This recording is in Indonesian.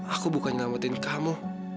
aku bukan nyelamatin kamu